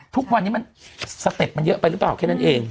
ทุกวันนี้มันสเต็ปมันเยอะไปหรือเปล่าแค่นั้นเอง